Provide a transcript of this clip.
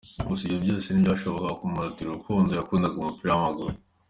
Gusa ibyo byose ntibyashoboraga kumurutira urukundo yakundaga umupira w’amaguru.